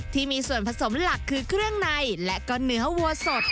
ที่มีส่วนผสมหลักคือเครื่องในและก็เนื้อวัวสด